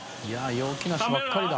陽気な人ばっかりだ。